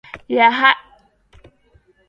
ya kwamba mazungumzo hayo yangeisha salama